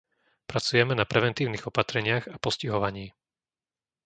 Pracujeme na preventívnych opatreniach a postihovaní.